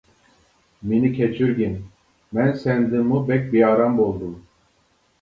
مېنى كەچۈرگىن، مەن سەندىنمۇ بەك بىئارام بولدۇم.